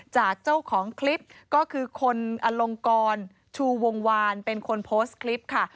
จากเจ้าของคลิปก็คือคนอลงกรชูวงวานเป็นคนโพสต์คลิปค่ะ